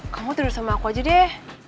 kamu tidur sama aku aja deh